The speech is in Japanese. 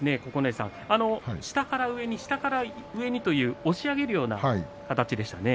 下から上に下から上にと押し上げるような形でしたね。